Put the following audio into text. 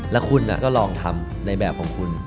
แล้วคุณก็ลองทำในแบบของคุณ